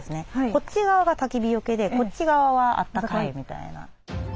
こっち側がたき火よけでこっち側はあったかいみたいな。